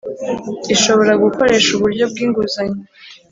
ishobora gukoresha uburyo bw’ inguzanyo